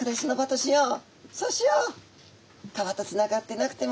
「そうしよう」。